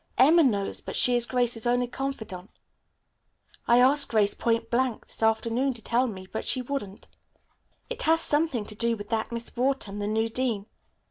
Emma knows, but she is Grace's only confidante. I asked Grace point blank, this afternoon, to tell me, but she wouldn't. It has something to do with that Miss Wharton, the new dean.